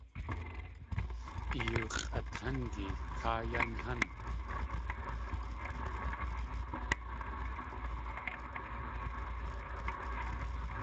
I yóo x̲ʼatángi káa yan hán!